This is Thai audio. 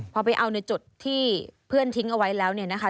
พอไปเอาในจุดที่เพื่อนทิ้งเอาไว้แล้วเนี่ยนะคะ